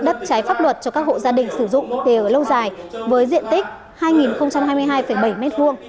đất trái pháp luật cho các hộ gia đình sử dụng để ở lâu dài với diện tích hai hai mươi hai bảy m hai